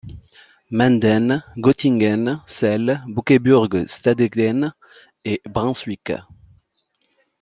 Münden, Göttingen, Celle, Bückeburg-Stadthagen et Brunswick.